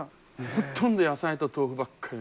ほとんど野菜と豆腐ばっかり。